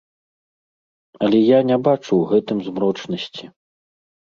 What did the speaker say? Але я не бачу ў гэтым змрочнасці.